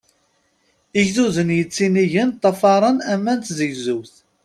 Igduden yettinigen ṭṭafaṛen aman d tzegzewt.